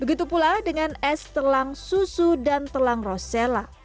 begitu pula dengan es telang susu dan telang rosella